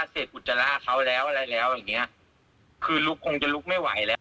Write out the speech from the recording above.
เสพอุจจาระเขาแล้วอะไรแล้วอย่างเงี้ยคือลุกคงจะลุกไม่ไหวแล้ว